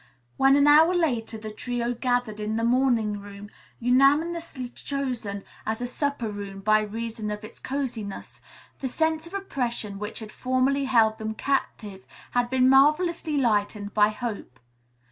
When an hour later the trio gathered in the morning room, unanimously chosen as a supper room by reason of its cosiness, the sense of oppression which had formerly held them captive had been marvelously lightened by hope.